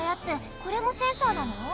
これもセンサーなの？